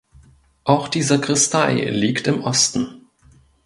Auch die Sakristei liegt im Osten.